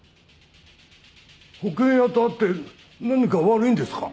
保険屋と会って何か悪いんですか？